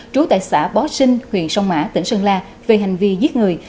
trú tại xã bó sinh huyện sông mã tỉnh sơn la về hành vi giết người